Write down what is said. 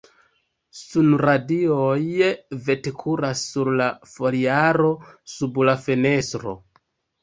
Sunradioj vetkuras sur la foliaro sub la fenestro.